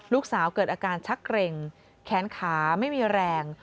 เกิดอาการชักเกร็งแขนขาไม่มีแรง